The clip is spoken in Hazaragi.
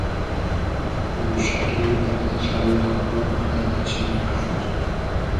موشۂ کی ارزیشایی خودۉن خو رۂ دۂ چیمی قئدر